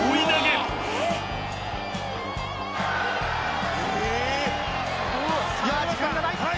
「すごい！」